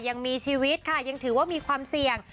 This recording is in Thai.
ยังมีชีวิตค่ะยังถือว่ามีความเสี่ยง